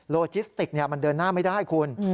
โลจิสติกมันเดินหน้าไม่ได้คุณ